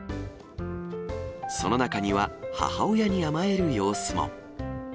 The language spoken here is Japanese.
その中には、母親に甘える様子も。